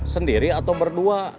sendiri atau berdua